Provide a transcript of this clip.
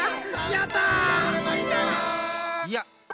やった！